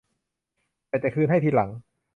แต่จะคืนให้ทีหลัง